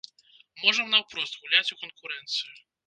Можам наўпрост гуляць у канкурэнцыю.